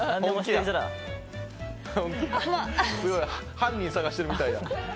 犯人捜してるみたいや。